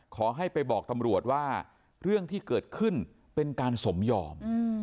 ขอให้ไปบอกตำรวจว่าเรื่องที่เกิดขึ้นเป็นการสมยอม